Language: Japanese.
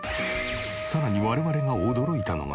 さらに我々が驚いたのが。